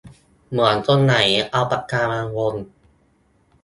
เหมือนตรงไหน เอาปากกามาวง